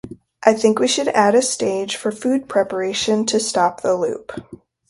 I think we should add a stage for food preparation to stop the loop.